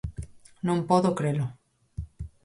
Non podo crelo.